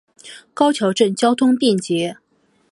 高桥镇交通便捷。